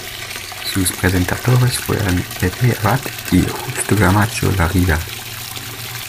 Sus presentadores fueron Pepe Abad y Justo Camacho Larriva.